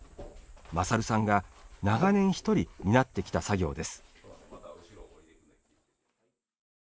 勝さんが長年一人、担ってきた作業です。